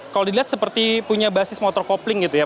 kalau dilihat seperti punya basis motor copling gitu ya